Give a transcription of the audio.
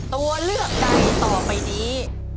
ตัวเลือกใดต่อไปนี้